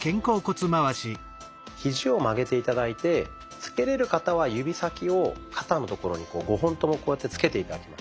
ひじを曲げて頂いてつけれる方は指先を肩のところに５本ともこうやってつけて頂きます。